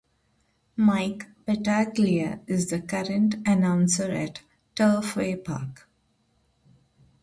Mike Battaglia is the current announcer at Turfway Park.